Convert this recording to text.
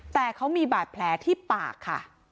แต่เขามีบาดแผลที่ปากค่ะ